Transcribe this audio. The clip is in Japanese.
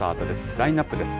ラインナップです。